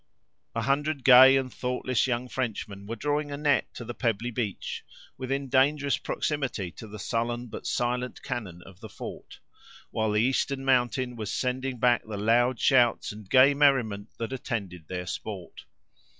A hundred gay and thoughtless young Frenchmen were drawing a net to the pebbly beach, within dangerous proximity to the sullen but silent cannon of the fort, while the eastern mountain was sending back the loud shouts and gay merriment that attended their sport.